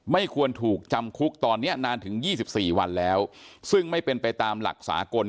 ไม่ควรถูกจำคุกตอนนี้นานถึง๒๔วันแล้วซึ่งไม่เป็นไปตามหลักสากล